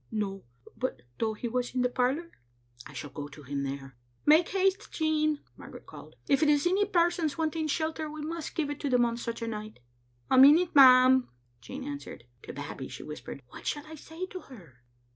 " No ; but though he was in the parlor?" " I shall go to him there. " "Make haste, Jean," Margaret called. "If it is any persons wanting shelter, we must give it them on such anight." " A minute, ma'am," Jean answered. To Babbie she whispered, "What shall I say to her?"